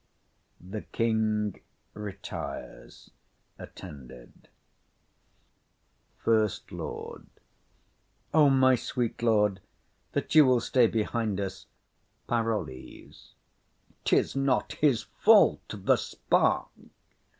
[The King retires to a couch.] FIRST LORD. O my sweet lord, that you will stay behind us! PAROLLES. 'Tis not his fault; the spark.